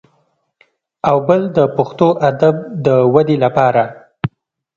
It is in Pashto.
او بل د پښتو ادب د ودې لپاره